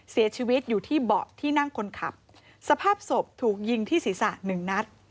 เสียชีวิตอยู่ที่เบาะที่นั่งคนขับสภาพศพถูกยิงที่ศีรษะหนึ่งนัด